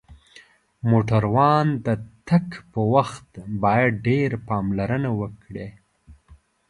موټروانان د تک پر وخت باید ډیر پاملرنه وکړی